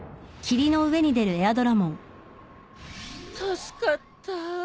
助かったぁ。